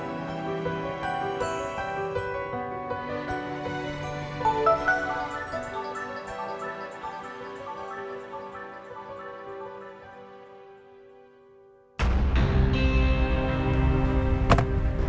mama pasti mau nyuruh aku pulang